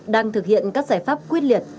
đang thực hiện các giải pháp quyết liệt